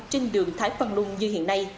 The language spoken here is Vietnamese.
trên đường thái phan luân như hiện nay